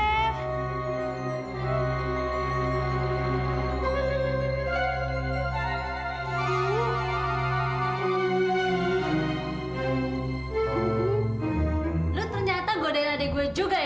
lu ternyata godel adik gue juga ya